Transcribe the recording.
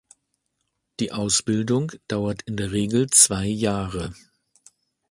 Die Ausbildung dauert in der Regel zwei Jahre.